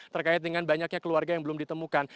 terkait dengan banyaknya keluarga yang belum ditemukan